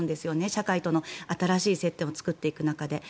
社会との新しい接点を作っていく中で。